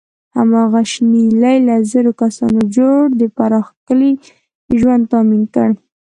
هماغه شنیلي له زرو کسانو جوړ د پراخ کلي ژوند تأمین کړ.